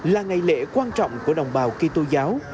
là ngày lễ quan trọng của đồng bào kỳ tô giáo